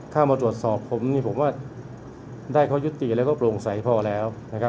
ข้ามาตรวจสอบผมได้ข้อยุติและตรงใสพอแล้ว